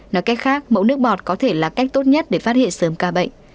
nói cách khác mẫu nước bọt có thể là cách tốt nhất để phát hiện sớm ca bệnh